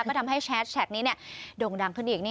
เพื่อทำให้แชทแชกนี้ด่งดังขึ้นอีก